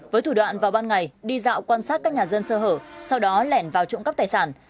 với thủ đoạn vào ban ngày đi dạo quan sát các nhà dân sơ hở sau đó lẻn vào trộm cắp tài sản